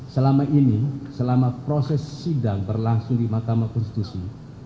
selama ini selama proses sidang berlangsung di mahkamah konstitusi